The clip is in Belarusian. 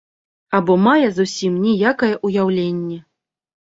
Або мае зусім ніякае ўяўленне.